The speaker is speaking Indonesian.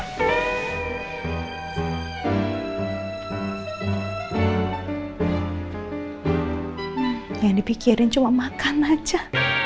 yang dipikirin cuma makan aja